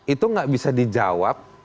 itu gak bisa dijawab